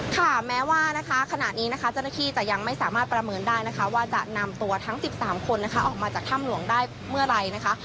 ค่ะแม้ว่านะคะขณะนี้นะคะเจ้าหน้าที่จะยังไม่สามารถประเมินได้นะคะว่าจะนำตัวทั้ง๑๓คนนะคะออกมาจากถ้ำหลวงได้เมื่อไหร่นะคะ